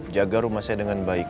jaga rumah saya dengan baik